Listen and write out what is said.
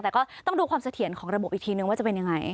แต่ก็ต้องดูความเสถียรของระบบอีกทีนึงว่าจะเป็นยังไง